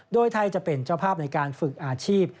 โดยไทยจะเป็นเจ้าภาพในการฝึกอาชีพ